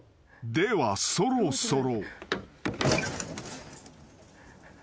［ではそろそろ］